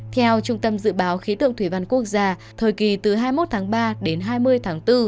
theo trung tâm dự báo khí tượng thủy văn quốc gia thời kỳ từ hai mươi một tháng ba đến hai mươi tháng bốn